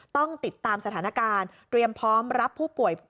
ต้องติดตามสถานการณ์เตรียมพร้อมรับผู้ป่วย